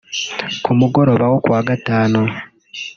Ku mugoroba wo kuwa gatanu